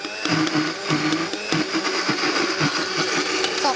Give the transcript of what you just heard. さあ